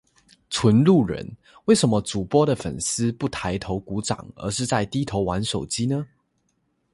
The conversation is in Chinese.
纯路人，为什么主播的粉丝不抬头鼓掌而是在低头玩手机呢？